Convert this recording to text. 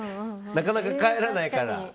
なかなか帰らないから。